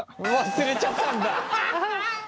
忘れちゃったんだ！